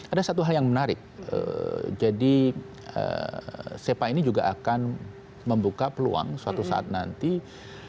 ada satu hal yang menarik jadi sepa ini juga akan membuka peluang suatu saat nanti engineer lulusan kita akan diakui oleh australia